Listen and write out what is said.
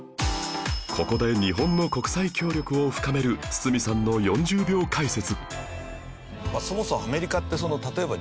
ここで日本の国際協力を深める堤さんの４０秒解説